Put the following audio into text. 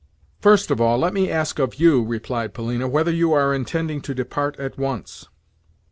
"First of all, let me ask of you," replied Polina, "whether you are intending to depart at once?"